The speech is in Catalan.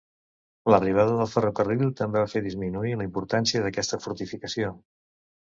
L'arribada del ferrocarril també va fer disminuir la importància d'aquesta fortificació.